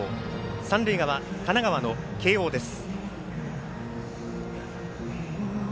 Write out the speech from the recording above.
三塁側、神奈川の慶応です。